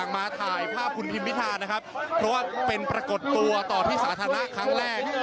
มาถ่ายภาพคุณพิมพิธานะครับเพราะว่าเป็นปรากฏตัวต่อที่สาธารณะครั้งแรก